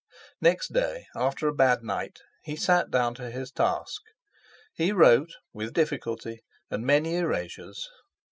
Next day, after a bad night, he sat down to his task. He wrote with difficulty and many erasures.